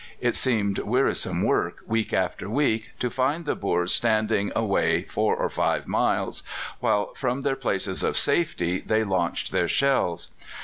It seemed wearisome work, week after week, to find the Boers standing away four or five miles, while from their places of safety they launched their shells.